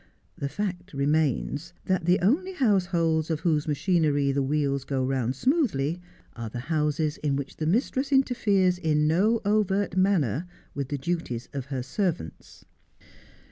The fact remains, that the only households of whose machinery the wheels go round smoothly, are the houses in which the mistress interferes in no overt manner with the duties of her servants.